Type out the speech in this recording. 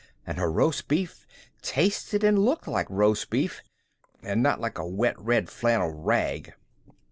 And her roast beef tasted and looked like roast beef, and not like a wet red flannel rag."